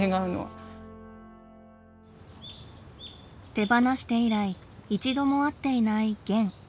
手放して以来一度も会っていないゲン。